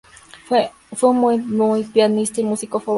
Fue un muy buen pianista y su músico favorito era Chopin.